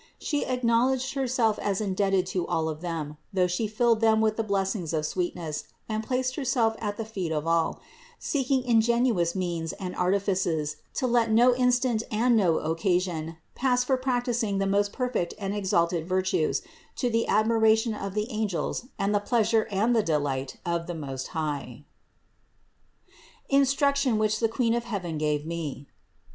She acknowledged Herself as indebted to all of them, though She filled them with the blessings of sweetness and placed Herself at the feet of all, seeking ingenious means and artifices to let no instant and no occasion pass for practicing the most perfect and exalted virtues to the admiration of the angels and the pleasure and the delight of the Most High. INSTRUCTION WHICH THE QUEEN OF HEAVEN GAVE ME.